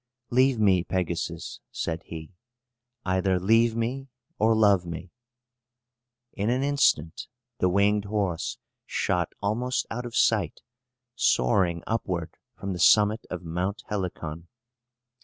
"Leave me, Pegasus!" said he. "Either leave me, or love me." In an instant, the winged horse shot almost out of sight, soaring upward from the summit of Mount Helicon.